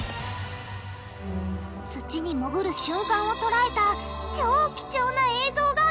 土にもぐる瞬間を捉えた超貴重な映像がこちら！